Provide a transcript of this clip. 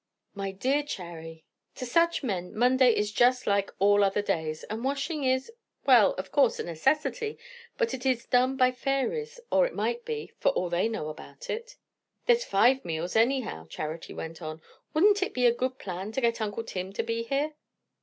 "My dear Charry! to such men Monday is just like all other days; and washing is well, of course, a necessity, but it is done by fairies, or it might be, for all they know about it." "There's five meals anyhow," Charity went on. "Wouldn't it be a good plan to get uncle Tim to be here?"